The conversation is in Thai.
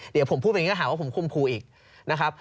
เดี๋ยวผมพูดไปก็หาว่าผมคุมภูอีกนะครับ